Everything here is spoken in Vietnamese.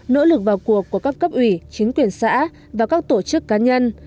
nỗ lực vào cuộc của các cấp ủy chính quyền xã và các tổ chức cá nhân